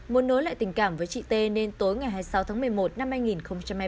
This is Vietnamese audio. muốn nối lại tình cảm với chị tê nên tối ngày hai mươi sáu tháng một mươi một năm hai nghìn hai mươi ba